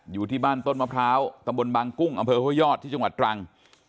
อยู่ที่บ้านต้นมะพร้าวตำบลบางกุ้งอำเภอห้วยยอดที่จังหวัดตรัง